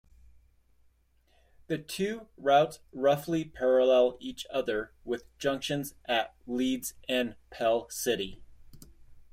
The two routes roughly parallel each other, with junctions at Leeds and Pell City.